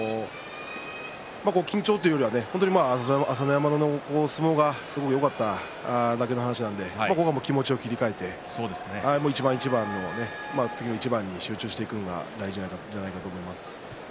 緊張というよりは朝乃山の相撲がよかっただけの話なんでここ、気持ちを切り替えて次の一番に集中していくのが大事じゃないかと思います。